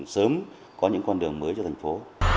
sớm có những con đường mới cho thành phố